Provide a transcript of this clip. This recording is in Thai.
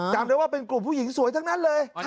จำได้ว่าเป็นกลุ่มผู้หญิงสวยทั้งนั้นเลย